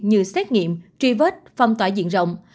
như xét nghiệm truy vết phong tỏa diện rộng